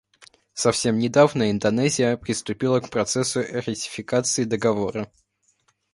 Совсем недавно Индонезия приступила к процессу ратификации Договора.